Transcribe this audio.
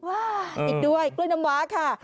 อีกด้วยกล้วยน้ำว้าค่ะ